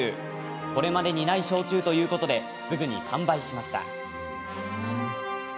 これまでにない焼酎ということですぐに完売しました。